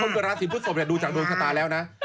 คนเกราะสินพุทธศพอย่าดูจังโดนชะตาแล้วนะ